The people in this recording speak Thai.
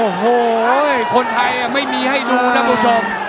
โอ้โหคนไทยไม่มีให้ดูนะคุณผู้ชม